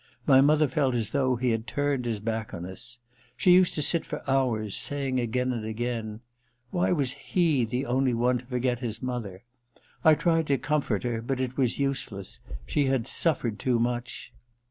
My mother felt as though he had turned his back on us. She used to sit for hours, saying again and again, " Why was he the only one to forget his mother ?" I tried to comfort her, but it was useless : she had suffered too much.